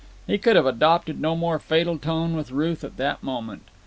He could have adopted no more fatal tone with Ruth at that moment.